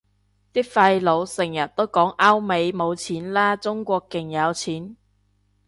啲廢老成日都講歐美冇錢喇，中國勁有錢